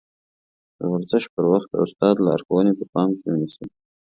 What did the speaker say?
د ورزش پر وخت د استاد لارښوونې په پام کې ونيسئ.